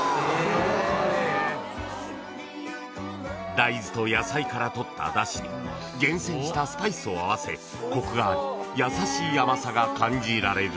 ［大豆と野菜から取っただしに厳選したスパイスを合わせコクがあり優しい甘さが感じられる］